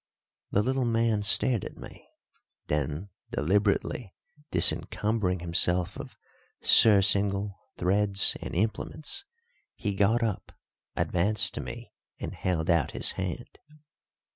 The little man stared at me; then, deliberately disencumbering himself of surcingle, threads, and implements, he got up, advanced to me, and held out his hand.